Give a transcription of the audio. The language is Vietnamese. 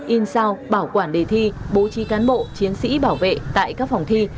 in sao bảo quản đề thi bố trí cán bộ chiến sĩ bảo vệ tại các phòng thi